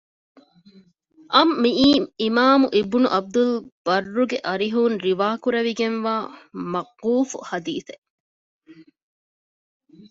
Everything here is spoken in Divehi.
އަށް މިއީ އިމާމު އިބްނު ޢަބްދުލްބައްރުގެ އަރިހުން ރިވާކުރެވިގެންވާ މައުޤޫފު ޙަދީޘެއް